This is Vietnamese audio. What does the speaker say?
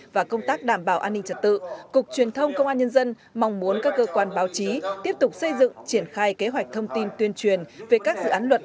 và giúp các cơ quan báo chí tiếp tục xây dựng triển khai kế hoạch thông tin tuyên truyền về các dự án luật